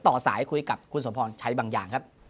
ต่อสายคุยกับคุณสมพรใช้บางอย่างครับ